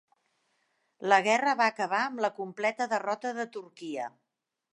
La guerra va acabar amb la completa derrota de Turquia.